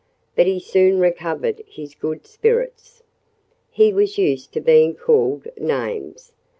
But he soon recovered his good spirits. He was used to being called names.